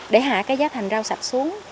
để hạ cái giá thành rau sạch xuống